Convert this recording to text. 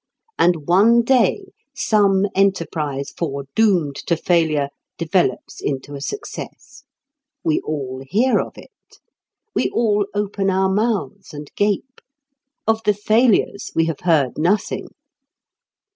And one day some enterprise foredoomed to failure develops into a success. We all hear of it. We all open our mouths and gape. Of the failures we have heard nothing.